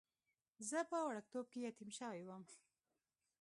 زه په وړکتوب کې یتیم شوی وم.